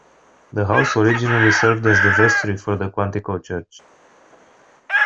The house originally served as the vestry for the Quantico Church.